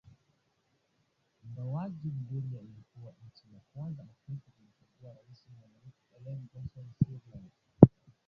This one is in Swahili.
Ingawaje Liberia ilikuwa nchi ya kwanza Afrika kumchagua rais mwanamke Ellen Johnson Sirleaf